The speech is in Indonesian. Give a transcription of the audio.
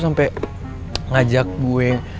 sampai ngajak gue